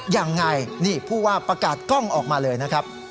ยังไงนี่ผู้ว่าประกาศกล้องออกมาเลยนะครับ